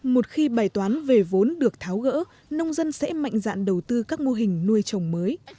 một khi bài toán về vốn được tháo gỡ nông dân sẽ mạnh dạn đầu tư các mô hình nuôi trồng mới